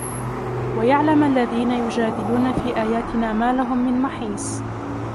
وَيَعْلَمَ الَّذِينَ يُجَادِلُونَ فِي آيَاتِنَا مَا لَهُمْ مِنْ مَحِيصٍ